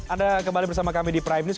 anda kembali bersama kami di prime news